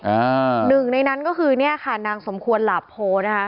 อ่าหนึ่งในนั้นก็คือเนี่ยค่ะนางสมควรหลาโพนะคะ